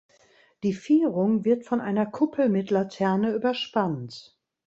Die Vierung wird von einer Kuppel mit Laterne überspannt.